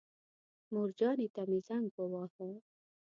مورجانې ته مې زنګ وواهه.